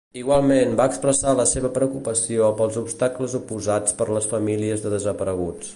Igualment, va expressar la seva preocupació pels obstacles oposats per les famílies de desapareguts.